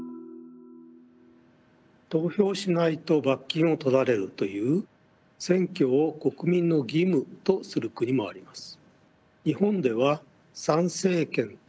投票しないと罰金を取られるという選挙を国民の義務とする国もあります。